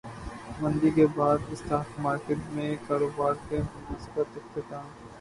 مندی کے بعد اسٹاک مارکیٹ میں کاروبار کا مثبت اختتام